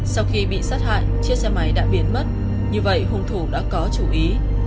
sau khi bị sát hại chiếc xe máy đã biến mất như vậy hung thủ đã có chủ ý